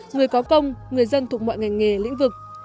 người có công người dân thuộc mọi ngành nghề lĩnh vực